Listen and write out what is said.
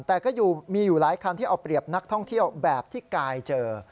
แต่ก็มีอยู่หลายคันที่เอาเปรียบนักท่องเที่ยวแบบที่กายเจอ